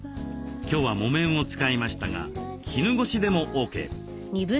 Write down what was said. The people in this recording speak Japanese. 今日は木綿を使いましたが絹ごしでもＯＫ。